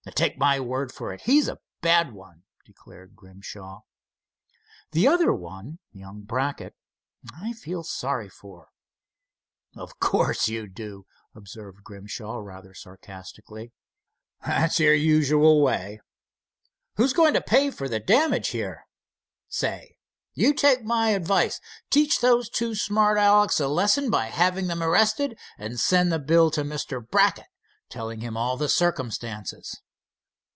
"Take my word for it, he's a bad one," declared Grimshaw. "The other one—young Brackett—I feel sorry for." "Of course you do," observed Grimshaw, rather sarcastically; "that's your usual way. Who's going to pay for the damage here? Say, you take my advice—teach those two smart Alecks a lesson by having them arrested, and send the bill to Mr. Brackett, telling him all the circumstances."